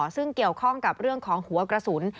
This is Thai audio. ซึ่งเกี่ยวข้องกับเรื่องของหัวกระสุน